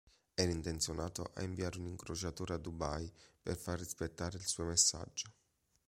Era intenzionato a inviare un incrociatore a Dubai per far rispettare il suo messaggio.